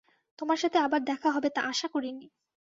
তোমার সাথে আবার দেখা হবে তা আশা করিনি।